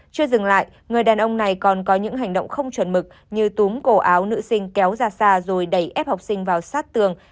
chưa dừng lại người đàn ông này còn có những hành động không chuẩn mực như túm cổ áo nữ sinh kéo ra xa rồi đẩy ép học sinh vào sát tường